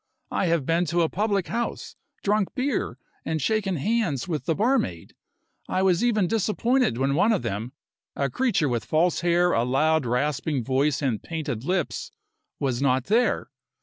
I have been to a public house, drunk beer, and shaken hands with the barmaid. I was even disappointed when one of them a creature with false hair, a loud, rasping voice and painted lips was not there.